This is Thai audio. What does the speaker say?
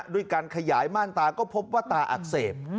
ด้วยการขยายม่านตาก็พบว่าตาอักเสบ